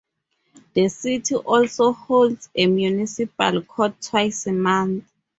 The city also holds a municipal court twice a month.